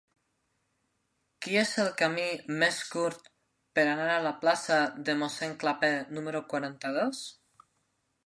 Quin és el camí més curt per anar a la plaça de Mossèn Clapés número quaranta-dos?